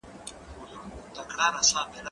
زه مخکي مېوې خوړلي وې!.